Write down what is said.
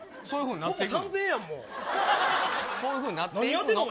そういうふうになっていくので。